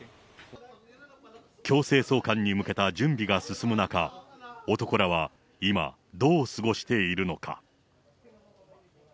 強制送還に向けた準備が進む中、男らは今、どう過ごしているのか。